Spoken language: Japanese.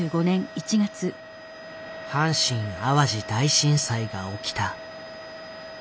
阪神淡路大震災が起きた。